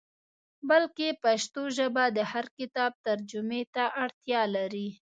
بلکې پښتو ژبه د هر کتاب ترجمې ته اړتیا لري.